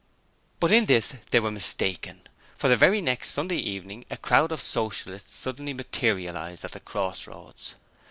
But in this they were mistaken, for the very next Sunday evening a crowd of Socialists suddenly materialized at the Cross Roads.